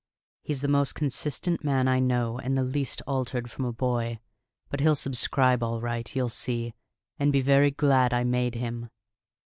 He's the most consistent man I know, and the least altered from a boy. But he'll subscribe all right, you'll see, and be very glad I made him."